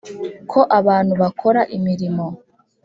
ko abantu bakora imirimo